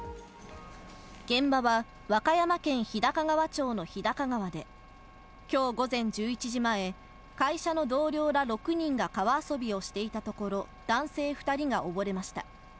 現場は和歌山県日高川町の日高川で、きょう午前１１時前、会社の同僚ら６人が川遊びをしていたところ、男性２人が溺れました。